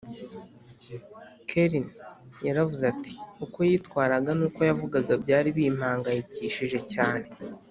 Kerrin yaravuze ati uko yitwaraga n uko yavugaga byari bimpangayikishije cyane